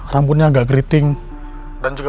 rambutnya agak geriting dan juga